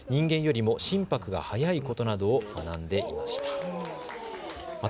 人間よりも心拍が速いことなどを学んでいました。